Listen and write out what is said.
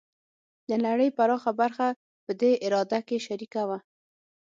د نړۍ پراخه برخه په دې اراده کې شریکه وه.